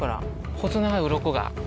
細長いうろこが。